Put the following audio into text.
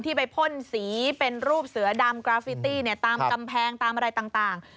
ไปพ่นสีเป็นรูปเสือดำกราฟิตี้ตามกำแพงตามอะไรต่าง